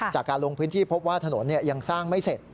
จากการลงพื้นที่พบว่าถนนยังสร้างไม่เสร็จ